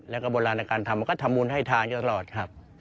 และก็โบราณการณ์ทำมาก็ทำมูลให้ทางกันตลอดครับ